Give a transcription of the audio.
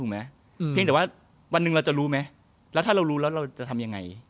เพียงแต่ว่าวันหนึ่งเราจะรู้ไหมแล้วถ้าเรารู้แล้วเราจะทำยังไง